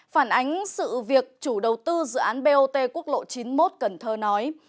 phản ánh sự việc chủ đầu tư dự án bot quốc lộ chín mươi một cần thơ nói